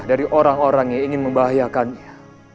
dari orang orang yang ingin membahayakannya